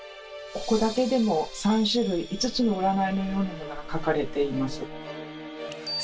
ここだけでも３種類５つの占いのようなものが書かれています。